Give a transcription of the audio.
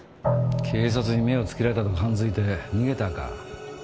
警察に目をつけられたと勘づいて逃げたか。